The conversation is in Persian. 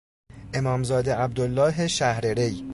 امامزاده عبدالله شهر ری